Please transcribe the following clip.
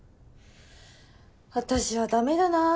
私はダメだな。